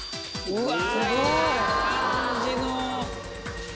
うわ。